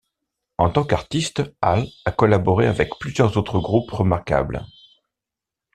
En tant qu'artiste, Hale a collaboré avec plusieurs autres groupes remarquables.